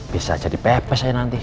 bisa jadi pepes aja nanti